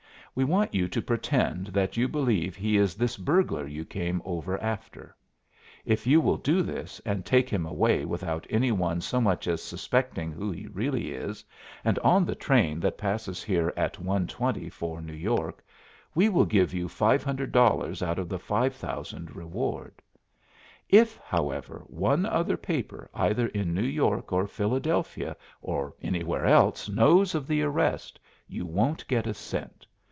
We want you to pretend that you believe he is this burglar you came over after. If you will do this, and take him away without any one so much as suspecting who he really is, and on the train that passes here at 1.20 for New York, we will give you $500 out of the $5,000 reward. If, however, one other paper, either in New York or Philadelphia, or anywhere else, knows of the arrest, you won't get a cent.